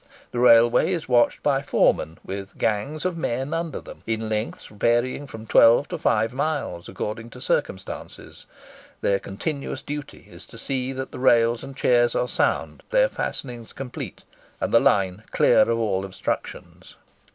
The railway is watched by foremen, with "gangs" of men under them, in lengths varying from twelve to five miles, according to circumstances. Their continuous duty is to see that the rails and chairs are sound, their fastenings complete, and the line clear of all obstructions.